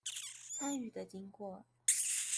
參與的經過